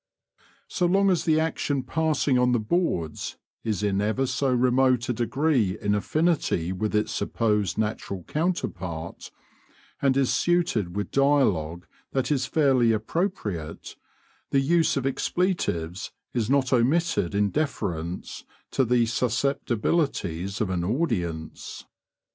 So long as the action passing on the boards is in ever so remote a degree in affinity with its supposed natural counterpart, and is suited with dialogue that is fairly appropriate, the use of expletives is not omitted in deference to the susceptibilities of an audience.